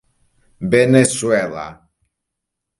Veneçuela.